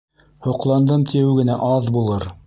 Һоҡландым тиеү генә аҙ булыр.